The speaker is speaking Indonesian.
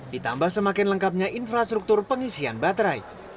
ditambah semakin lengkapnya infrastruktur pengisian baterai